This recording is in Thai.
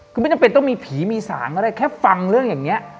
คือไม่จำเป็นต้องมีผีมีสางก็ได้แค่ฟังเรื่องอย่างนี้